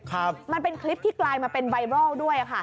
มันเป็นคลิปที่กลายมาเป็นไวรัลด้วยอ่ะค่ะ